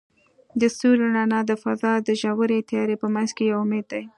د ستوري رڼا د فضاء د ژورې تیارې په منځ کې یو امید دی.